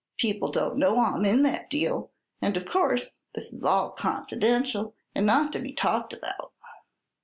People don't know I'm in that deal, and of course this is all confidential and not to be talked about."